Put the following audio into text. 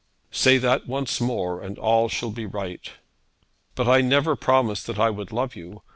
'Say that once more, and all shall be right.' 'But I never promised that I would love you.